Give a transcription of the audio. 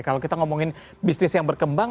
kalau kita ngomongin bisnis yang berkembang